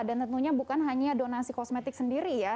dan tentunya bukan hanya donasi kosmetik sendiri ya